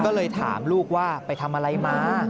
ก็เลยถามลูกว่าไปทำอะไรมา